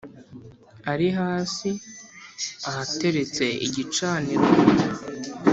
ari hasi ahateretse igicaniro